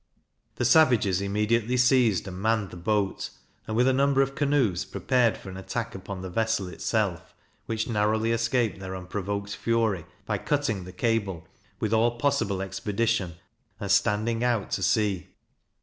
The savages immediately seized and manned the boat; and, with a number of canoes, prepared for an attack upon the vessel itself, which narrowly escaped their unprovoked fury, by cutting the cable, with all possible expedition, and standing out to sea.